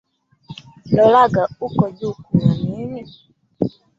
Lolaga uko juu kuna nini?